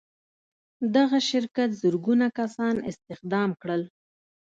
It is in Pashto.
دغه شرکت زرګونه کسان استخدام کړل